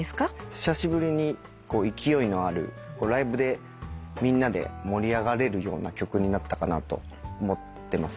久しぶりに勢いのあるライブでみんなで盛り上がれるような曲になったかなと思ってますね。